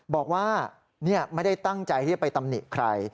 บอกว่าไม่ได้ตั้งใจที่จะไปตำหนิใคร